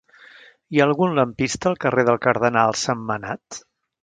Hi ha algun lampista al carrer del Cardenal Sentmenat?